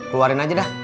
keluarin aja dah